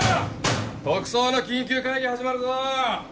特捜の緊急会議始まるぞ！